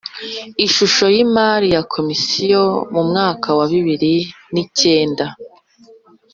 Ishusho y imari ya Komisiyo mu mwaka wa bibiri n’icyenda.